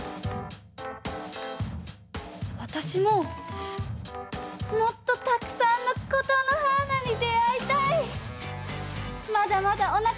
わたしももっとたくさんの「ことのはーな」にであいたい！